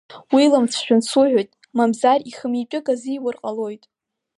Уиламцәажәан, суҳәоит, мамзар ихы митәик азиур ҟалоит.